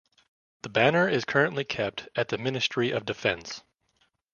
The banner is currently kept at the Ministry of Defense.